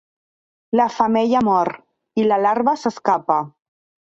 La femella mor, i la larva s'escapa.